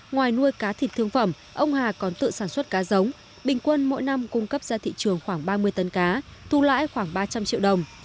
ngoài nuôi cá thịt thương phẩm ông hà còn tự sản xuất cá giống bình quân mỗi năm cung cấp ra thị trường khoảng ba mươi tấn cá thu lãi khoảng ba trăm linh triệu đồng